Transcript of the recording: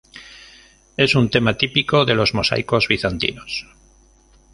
Es un tema típico de los mosaicos bizantinos.